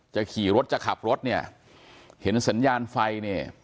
ขี่รถจะขับรถเนี่ยเห็นสัญญาณไฟเนี่ย